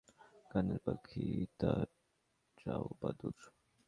গানের পাখি তার ট্রাউবাদুর।